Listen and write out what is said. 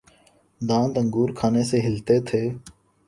دانت انگور کھانے سے ہلتے تھے